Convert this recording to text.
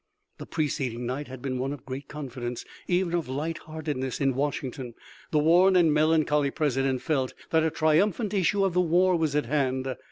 The preceding night had been one of great confidence, even of light heartedness in Washington. The worn and melancholy President felt that a triumphant issue of the war was at hand.